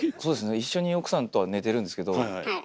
一緒に奥さんとは寝てるんですけど